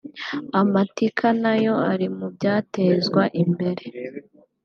amatika nayo ari mu byatezwa imbere